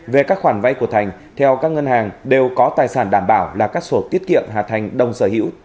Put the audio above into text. về các khoản vay của thành theo các ngân hàng đều có tài sản đảm bảo là các sổ tiết kiệm hà thành đông sở hữu